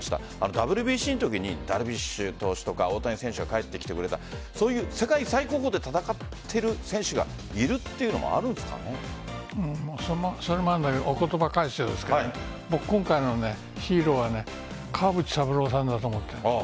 ＷＢＣのときにダルビッシュ投手とか大谷選手が帰ってきてくれた世界最高峰で戦っている選手がいるというのはそれもあるんだけどお言葉を返すようですが今回のヒーローは川淵三郎さんだと思います。